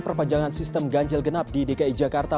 perpanjangan sistem ganjil genap di dki jakarta